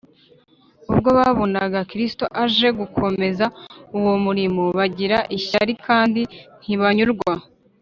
Ubwo babonaga Kristo aje gukomeza uwo murimo, bagira ishyari kandi ntibanyurwa